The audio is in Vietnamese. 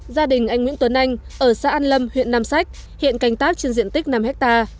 gia đình anh nguyễn tuấn anh ở xã an lâm huyện nam sách hiện canh tác trên diện tích năm hectare